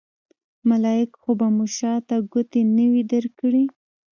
ملایکو خو به مو شاته ګوتې نه وي درکړې.